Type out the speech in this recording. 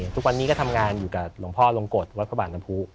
ทุกวันนี้ก็ทำงานอยู่กับหลวงพ่อลงกฎวัดพระบาทน้ำผู้